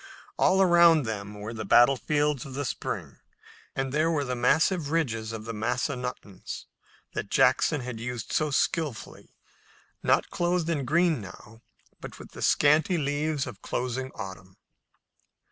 All around them were their battlefields of the spring, and there were the massive ridges of the Massanuttons that Jackson had used so skillfully, not clothed in green now, but with the scanty leaves of closing autumn.